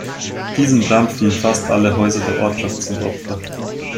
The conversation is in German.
Diesem Brand fielen fast alle Häuser der Ortschaft zum Opfer.